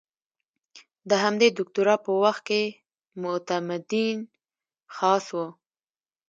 د همدې دوکتورا په وخت کې معتمدین خاص وو.